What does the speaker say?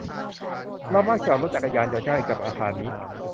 เรามักจอดรถจักรยานยนต์ใกล้กับอาคารนี้